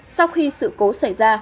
sau khi sự cố xảy ra